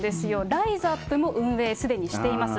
ライザップも運営、すでにしています。